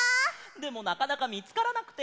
でもなかなかみつからなくて。